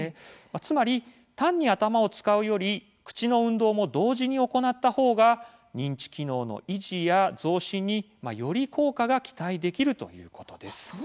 つまり単に頭を使うより口の運動も同時に行った方が認知機能の維持や増進により効果が期待できるということです。